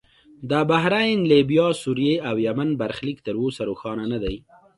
د بحرین، لیبیا، سوریې او یمن برخلیک تر اوسه روښانه نه دی.